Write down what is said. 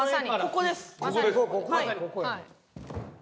ここです。